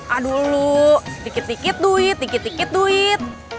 aduh lu dikit dikit duit dikit dikit duit